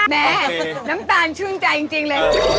แม่น้ำตาลชื่นใจจริงเลย